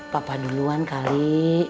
papa duluan kali